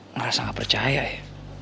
ngerasa ga percaya ya